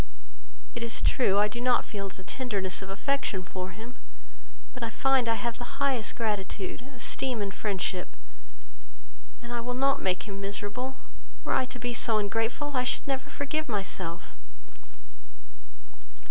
It is true, I do not feel the tenderness of affection for him, but I find I have the highest gratitude, esteem, and friendship; and I will not make him miserable; were I to be so ungrateful, I should never forgive myself."